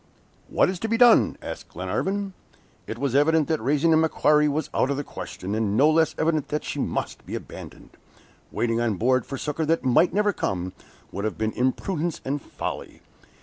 "What is to be done?" asked Glenarvan. It was evident that raising the MACQUARIE was out of the question, and no less evident that she must be abandoned. Waiting on board for succor that might never come, would have been imprudence and folly.